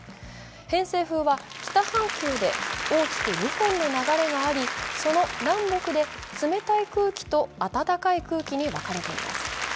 偏西風は北半球で大きく２本の流れがありその南北で冷たい空気と温かい空気に分かれています。